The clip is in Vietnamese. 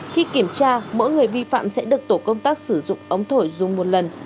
khi kiểm tra mỗi người vi phạm sẽ được tổ công tác sử dụng ống thổi dùng một lần